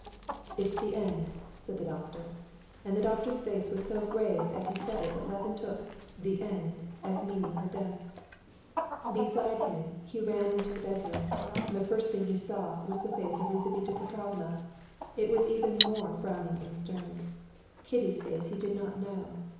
"It's the end," said the doctor. And the doctor's face was so grave as he said it that Levin took the end as meaning her death. Beside himself, he ran into the bedroom. The first thing he saw was the face of Lizaveta Petrovna. It was even more frowning and stern. Kitty's face he did not know.